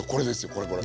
これこれ。